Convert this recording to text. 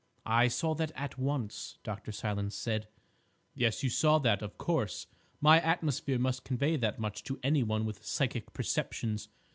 "I saw that at once," Dr. Silence said. "Yes, you saw that, of course; my atmosphere must convey that much to any one with psychic perceptions.